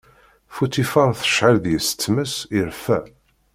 Futifaṛ tecɛel deg-s tmes, irfa.